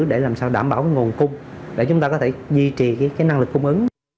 để làm sao đảm bảo nguồn cung để chúng ta có thể duy trì cái năng lực cung ứng